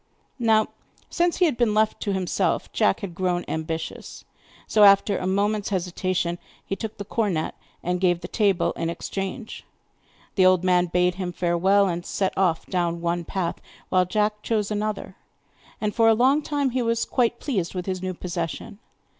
Now, since he had been left to himself, Jack had grown ambitious, so, after a moment's hesitation, he took the cornet and gave the table in exchange. The old man bade him farewell, and set off down one path, while Jack chose another, and for a long time he was quite pleased with his new possession.